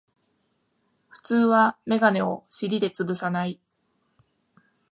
普通はメガネを尻でつぶさない